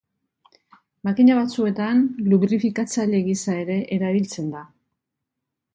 Makina batzuetan lubrifikatzaile gisa ere erabiltzen da.